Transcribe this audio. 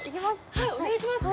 はいお願いします